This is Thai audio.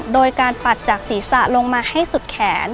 โดยการปัดจากศีรษะลงมาให้สุดแขน